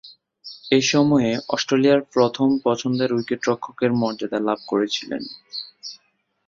এ সময়ে অস্ট্রেলিয়ার প্রথম পছন্দের উইকেট-রক্ষকের মর্যাদা লাভ করেছিলেন তিনি।